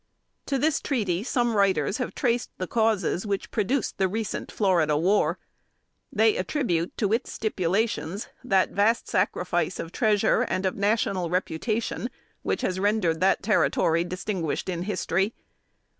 To this treaty some writers have traced the causes which produced the recent "Florida War." They attribute to its stipulations that vast sacrifice of treasure, and of national reputation, which has rendered that territory distinguished in history.